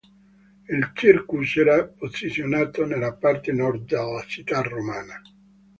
Il "Circus" era posizionato nella parte nord della città romana.